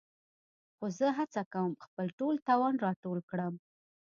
خو زه هڅه کوم خپل ټول توان راټول کړم.